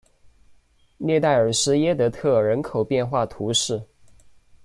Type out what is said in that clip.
列代尔施耶德特人口变化图示